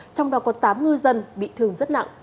trong đó có tám ngư dân bị thương rất nặng